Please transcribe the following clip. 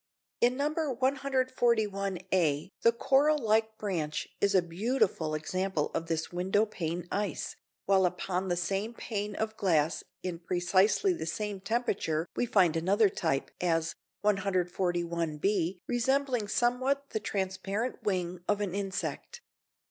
In No. 141 a the coral like branch is a beautiful example of this window pane ice, while upon the same pane of glass in precisely the same temperature we find another type, as 141 b resembling somewhat the transparent wing of an insect.